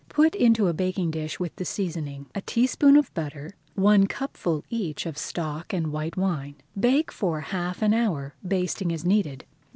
Put into a baking dish with the seasoning, a teaspoonful of butter and one cupful each of stock and white wine. Bake for half an hour, basting as needed.